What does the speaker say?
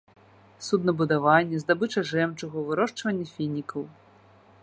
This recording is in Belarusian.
Суднабудаванне, здабыча жэмчугу, вырошчванне фінікаў.